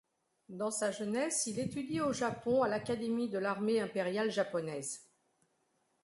Dans sa jeunesse, il étudie au Japon à l'académie de l'armée impériale japonaise.